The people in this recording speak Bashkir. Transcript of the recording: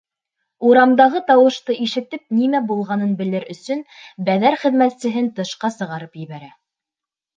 Урамдағы тауышты ишетеп, нимә булғанын белер өсөн, Бәҙәр хеҙмәтсеһен тышҡа сығарып ебәрә.